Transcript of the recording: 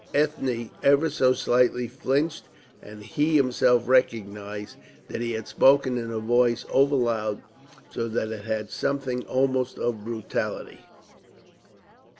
Ethne ever so slightly flinched, and he himself recognised that he had spoken in a voice overloud, so that it had something almost of brutality.